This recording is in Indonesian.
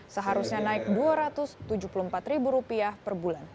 seharusnya naik rp dua ratus tujuh puluh empat per bulan